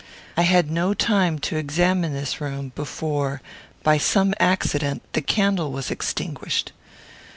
I had no time to examine this room before, by some accident, the candle was extinguished.